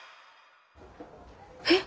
えっ！